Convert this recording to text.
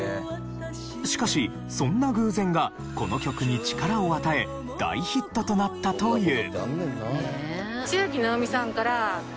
しかしそんな偶然がこの曲に力を与え大ヒットとなったという。